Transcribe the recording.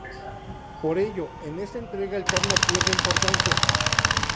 Por ello, en esta entrega el karma pierde importancia.